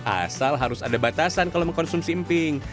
asal harus ada batasan kalau mengkonsumsi emping